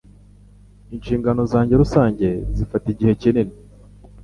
Inshingano zanjye rusange zifata igihe kinini.